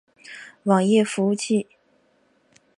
网页服务器。